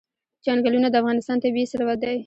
چنګلونه د افغانستان طبعي ثروت دی.